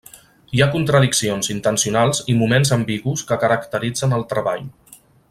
Hi ha contradiccions intencionals i moments ambigus que caracteritzen el treball.